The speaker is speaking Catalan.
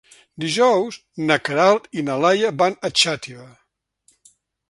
Dijous na Queralt i na Laia van a Xàtiva.